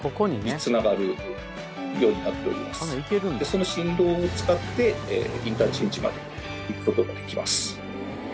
その新道を使ってインターチェンジまで行くことができます。